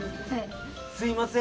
すいません